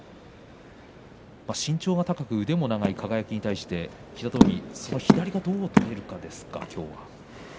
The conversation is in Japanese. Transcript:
身長が高く腕も長い輝に対して平戸海左をどう取れるかですね。